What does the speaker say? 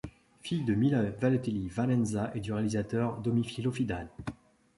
Fille de Mila Vitelli Valenza et du réalisateur Demofilo Fidani.